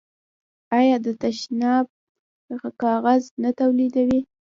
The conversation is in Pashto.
آیا د تشناب کاغذ نه تولیدوي؟